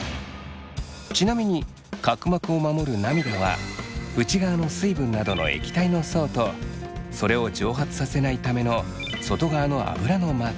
ちなみに角膜を守る涙は内側の水分などの液体の層とそれを蒸発させないための外側のアブラの膜